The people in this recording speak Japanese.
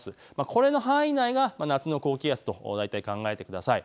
これの範囲内が夏の高気圧と大体考えてください。